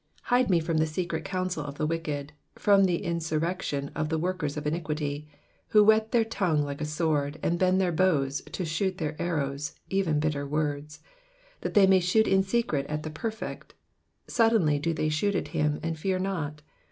2 Hide me from the secret counsel of the wicked ; from the insurrection of the workers of iniquity :. 3 Who whet their tongue like a sword, and bend t/ieir bozus to shoot their arrows, even bitter words : 4 That they may shoot in secret at the perfect : suddenly do they shoot at him, and fear not.